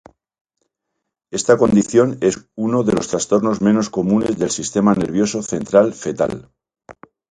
Esta condición es uno de los trastornos menos comunes del sistema nervioso central fetal.